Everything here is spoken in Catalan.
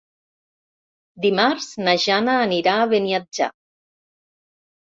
Dimarts na Jana anirà a Beniatjar.